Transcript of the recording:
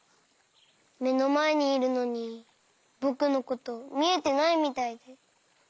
めのまえにいるのにぼくのことみえてないみたいで。